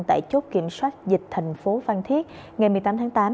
tại chốt kiểm soát dịch thành phố phan thiết ngày một mươi tám tháng tám